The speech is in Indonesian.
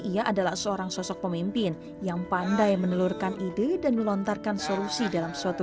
ia adalah seorang sosok pemimpin yang pandai menelurkan ide dan melontarkan solusi dalam suatu